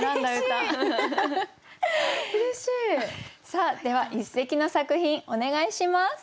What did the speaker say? さあでは一席の作品お願いします。